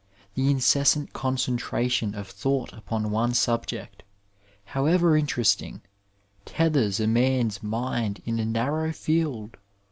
The incessant concentration of thought upon one subject, however interesting, tethers a man's mind in a narrow field.